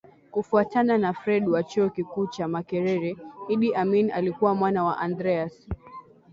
Kufuatana na Fred wa Chuo Kikuu cha Makerere Idi Amin alikuwa mwana wa Andreas